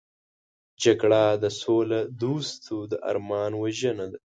جګړه د سولهدوستو د ارمان وژنه ده